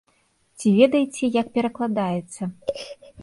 Ці ведаеце, як перакладаецца?